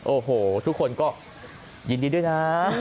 โอ้โหทุกคนก็ยินดีด้วยนะ